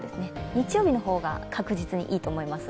日曜日の方が確実にいいと思います。